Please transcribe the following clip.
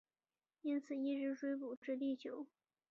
因此一直追捕至地球。